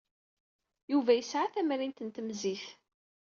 Yuba yesɛa tamrint n temzit.